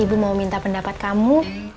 ibu mau minta pendapat kamu